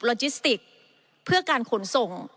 จิสติกเพื่อการขนส่ง